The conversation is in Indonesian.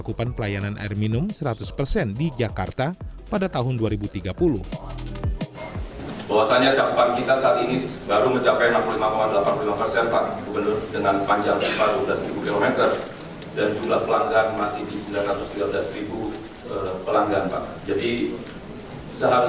kampung kota karena ada air